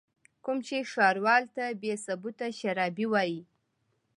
کوم چې ښاروال ته بې ثبوته شرابي وايي.